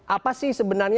apa sih sebenarnya